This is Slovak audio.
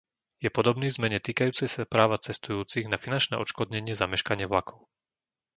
Je podobný zmene tykajúcej sa práva cestujúcich na finančné odškodnenie za meškanie vlakov.